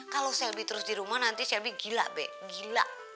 kalau selbi terus di rumah nanti selbi gila be gila